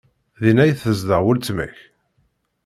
Din ay tezdeɣ weltma-k?